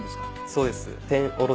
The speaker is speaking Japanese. そうです。